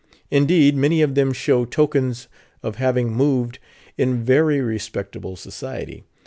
Indeed, many of them show tokens of having moved in very respectable society.